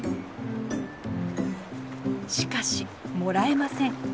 しかしもらえません。